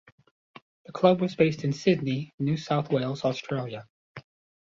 The club was based in Sydney, New South Wales, Australia.